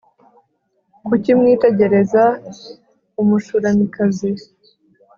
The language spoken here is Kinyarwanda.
kuki mwitegereza umushulamikazi